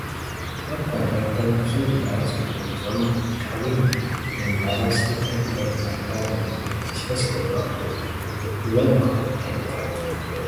昨今、体育会の不祥事が相次いでおり、その度に名指しで体育会は批判を受けております。しかし、これは裏を返せば体育会がそれだけ世間から注目されている証であり、それはとても光栄なことであります。部の伝統・教えを重んじることは大切です。